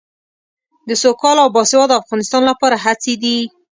د سوکاله او باسواده افغانستان لپاره هڅې دي.